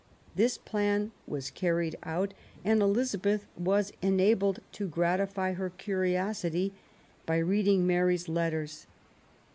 This plan was carried out, and THE CRISIS. 225 Elizabeth was enabled to gratify her curiosity by reading Mary's letters.